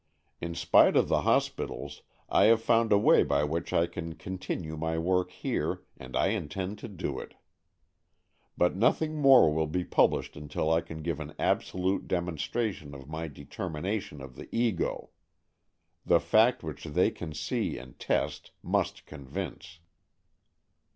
In spite of the hospitals, I have found a way by which I can continue my work here, and I intend to do it. But nothing more will be published until I can give an absolute demonstration of my deter mination of the Ego. The fact which they can see and test must convince."